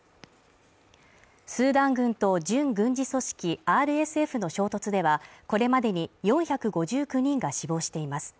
スーダン軍と準軍事組織ＲＳＦの衝突ではこれまでに４５９人が死亡しています。